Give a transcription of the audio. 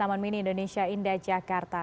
mini indonesia indah jakarta